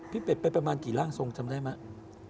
เป็ดไปประมาณกี่ร่างทรงจำได้ไหม